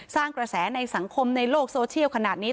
สร้างกระแสในสังคมในโลกโซเชียลขนาดนี้